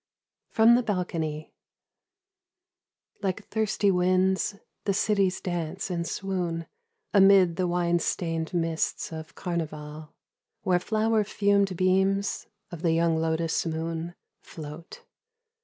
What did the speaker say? From the Balcony. Like thirsty winds the cities dance and swoon Amid the wine stained mists of Carnival, Where flower fumed beams of the young lotus moon Float.